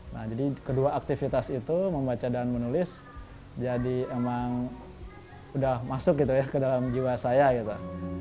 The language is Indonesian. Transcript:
nah jadi kedua aktivitas itu membaca dan menulis jadi emang udah masuk gitu ya ke dalam jiwa saya gitu